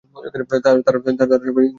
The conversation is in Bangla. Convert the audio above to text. আর সবাই, ইংরেজীতে বলো।